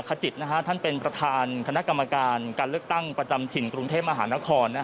ขจิตท่านเป็นประธานคณะกรรมการการเลือกตั้งประจำถิ่นกรุงเทพมหานคร